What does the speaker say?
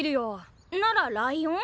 ならライオン？